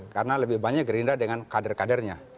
karena lebih banyak gerindra dengan kader kadernya